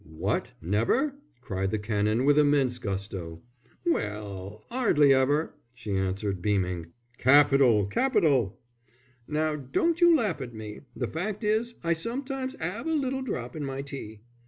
"What, never?" cried the Canon, with immense gusto. "Well, 'ardly ever," she answered, beaming. "Capital! Capital!" "Now don't you laugh at me. The fact is, I sometimes 'ave a little drop in my tea."